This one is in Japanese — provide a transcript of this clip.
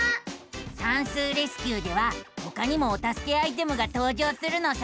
「さんすうレスキュー！」ではほかにもおたすけアイテムがとう場するのさ。